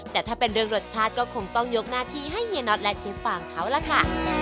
แต่ถ้าเป็นเรื่องรสชาติก็คงต้องยกหน้าที่ให้เฮียน็อตและเชฟฟางเขาล่ะค่ะ